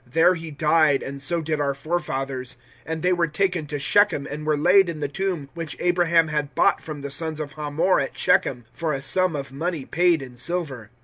There he died, and so did our forefathers, 007:016 and they were taken to Shechem and were laid in the tomb which Abraham had bought from the sons of Hamor at Shechem for a sum of money paid in silver.